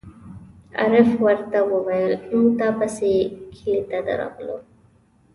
عارف ور ته وویل: مونږ تا پسې کلي ته درغلو.